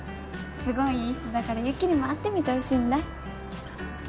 すごいいい人だから雪にも会ってみてほしいんだ。